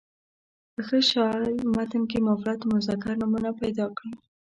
په ښه شاعر متن کې مفرد مذکر نومونه پیدا کړي.